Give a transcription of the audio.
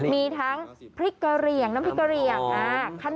มีทั้งพริกเกอรี่ยังน้ำพริกเกอรี่ยัง